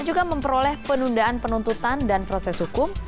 juga memperoleh penundaan penuntutan dan proses hukum